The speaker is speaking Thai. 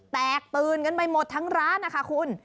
แตกตื่นกันไปหมดทั้งร้านนะคะคุณ